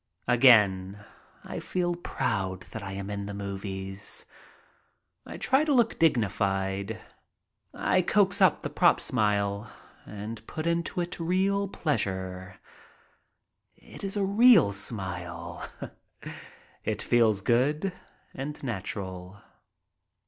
Again I feel proud that I am in the movies. I try to look dignified. I coax up the "prop" smile and put into it real pleasure. It is a real smile. It feels good and natural.